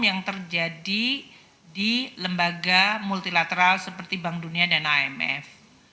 yang terjadi di lembaga multilateral seperti bank dunia dan imf